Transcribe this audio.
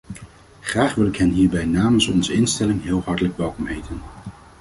Graag wil ik hen hierbij namens onze instelling heel hartelijk welkom heten.